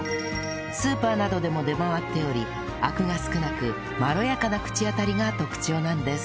スーパーなどでも出回っておりアクが少なくまろやかな口当たりが特徴なんです